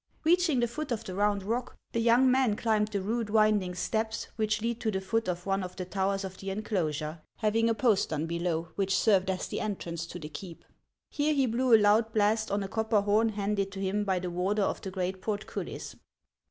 Reaching the foot of the round rock, the young man climbed the rude winding steps which lead to the foot of one of the towers of the enclosure, having a postern below, which served as the entrance to the keep. Here he blew a loud blast on a copper horn handed to him by the warder of the great portcullis.